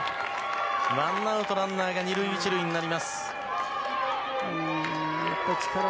ワンアウトランナー２塁１塁となります。